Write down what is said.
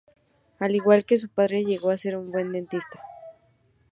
Al igual que su padre, llegó a ser un buen dentista.